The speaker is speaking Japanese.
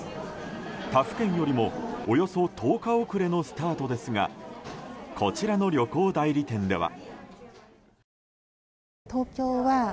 他府県よりもおよそ１０日遅れのスタートですがこちらの旅行代理店では。